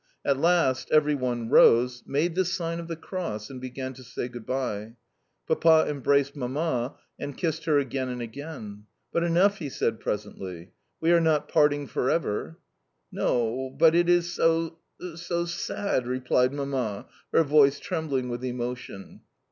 At last every one rose, made the sign of the cross, and began to say good bye. Papa embraced Mamma, and kissed her again and again. "But enough," he said presently. "We are not parting for ever." "No, but it is so so sad!" replied Mamma, her voice trembling with emotion.